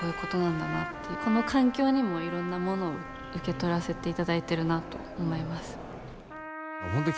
この環境にもいろんなものを受け取らせていただいてるなと思います。